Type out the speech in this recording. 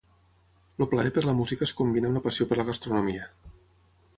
El plaer per la música es combina amb la passió per la gastronomia.